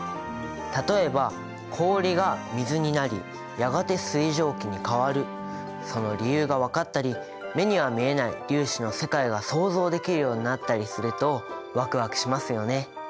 例えば氷が水になりやがて水蒸気に変わるその理由が分かったり目には見えない粒子の世界が想像できるようになったりするとワクワクしますよね。